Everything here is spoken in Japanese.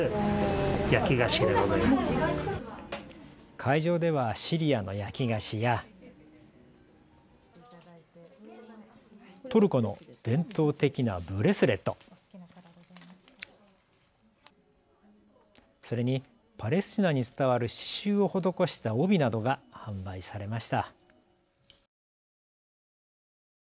会場ではシリアの焼き菓子や、トルコの伝統的なブレスレット、それにパレスチナに伝わる刺しゅうを施した帯などが販売されました。